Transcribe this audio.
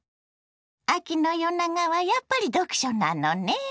秋の夜長はやっぱり読書なのね。